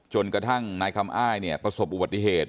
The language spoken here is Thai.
จนกระทั่งนายคำอ้ายเนี่ยประสบอุบัติเหตุ